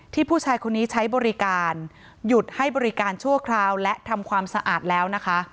ผู้ชายคนนี้ใช้บริการหยุดให้บริการชั่วคราวและทำความสะอาดแล้วนะคะ